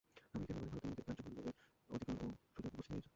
আমেরিকার ব্যাপারে ভারতে আমাদের কার্য করিবার অধিকার ও সুযোগ উপস্থিত হইয়াছে।